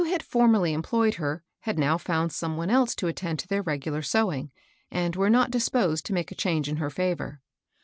had for merly employed her had now found some one else to attend to their regular sewing, and were not disposed to make a change in her favor.